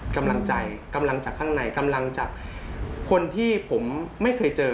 กำลังใจกำลังจากข้างในกำลังจากคนที่ผมไม่เคยเจอ